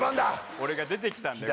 俺が出てきたんだよ。